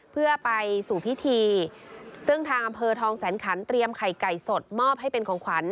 เพื่อไปสู่พิธีซึ่งทางอำเภอทองแสนขันเตรียมไข่ไก่สดมอบให้เป็นของขวัญ